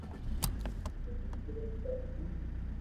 گومين تيرٿ ڪرو ھون